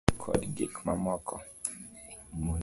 Gigo gin kaka choko yugi, golo pi modho, kod gik mamoko.